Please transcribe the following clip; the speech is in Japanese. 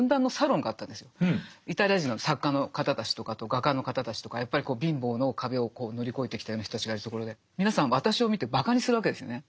イタリア人の作家の方たちとかあと画家の方たちとかやっぱり貧乏の壁を乗り越えてきたような人たちがいるところで皆さん私を見てばかにするわけですよね。